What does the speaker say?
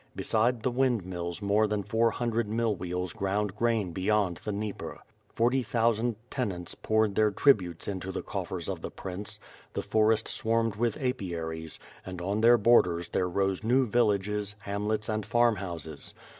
Beside the wind mills more than four hundred mill wheels ground grain beyond the Dnieper. Forty thousand tenants poured their tributes into the coffers of the Prince; the forest swarmed with apiaries, and on their borders there rose new villages, hamlets, and farm houses.